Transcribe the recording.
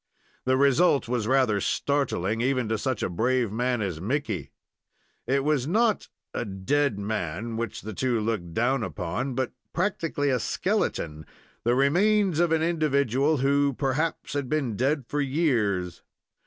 The result was rather startling even to such a brave man as Mickey. It was not a dead man which the two looked down upon, but practically a skeleton the remains of an individual, who, perhaps, had been dead for years.